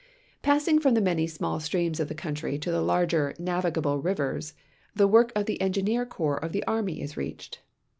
Passing from the many small streams of the country to the larger, navigable rivers, the work of the Engineer Coi'i^s of the Arm}'' is reached.